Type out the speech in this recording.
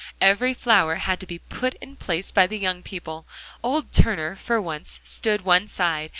Every flower had to be put in place by the young people. Old Turner for once stood one side.